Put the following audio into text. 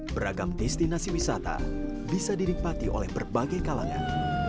beragam destinasi wisata bisa dinikmati oleh berbagai kalangan